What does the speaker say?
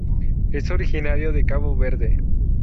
Es originario de Cabo Verde.